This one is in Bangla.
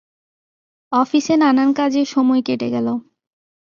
অফিসে নানান কাজে সময় কেটে গেল।